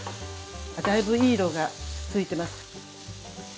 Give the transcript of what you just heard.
だいぶいい色が付いてます。